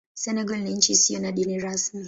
Senegal ni nchi isiyo na dini rasmi.